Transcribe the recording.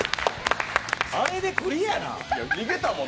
あれでクリアなん？